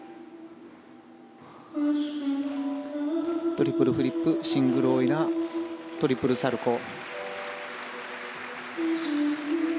トリプルフリップシングルオイラートリプルサルコウ。